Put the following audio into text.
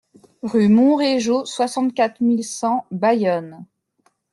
Rue Monréjau, soixante-quatre mille cent Bayonne